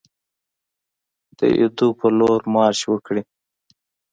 د ایدو په لور مارش وکړي.